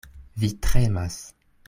Vi tremas.